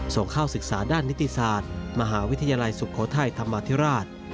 ส่งเข้าศึกษาด้านนิติศาสตร์มหาวิทยาลัยสุโขทัยธรรมาธิราช